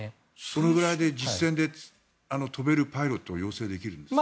そのぐらいで実戦で飛べるパイロットを養成できるんですか？